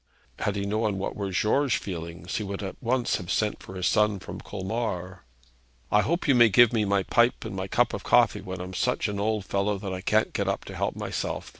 Had he known what were George's feelings, he would at once have sent for his son from Colmar. 'I hope you may give me my pipe and my cup of coffee when I'm such an old fellow that I can't get up to help myself.